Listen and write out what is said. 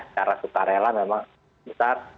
cara sukarela memang besar